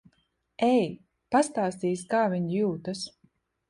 Ej. Pastāstīsi, kā viņa jūtas.